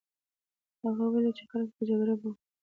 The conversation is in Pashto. هغه ولیدل چې خلک په جګړه بوخت دي.